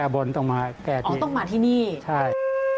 บลได้ทุกที่ใช่